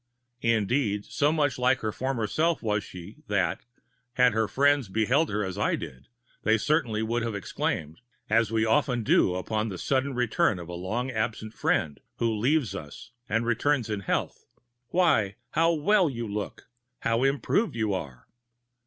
Indeed, so much like her former self was she that, had her friends beheld her as I did, they certainly would have exclaimed—as we often do upon the sudden return of a long absent friend, who leaves us and returns in health—'Why, how well you look! How improved you are!'